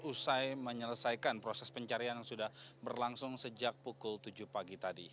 usai menyelesaikan proses pencarian yang sudah berlangsung sejak pukul tujuh pagi tadi